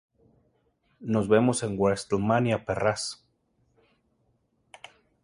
Nos vemos en WrestleMania, perras".